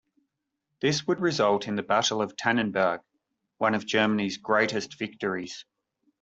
This would result in the Battle of Tannenberg, one of Germany's greatest victories.